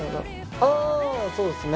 ああそうですね。